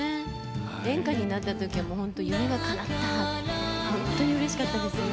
演歌になったときは夢がかなったって本当にうれしかったですね。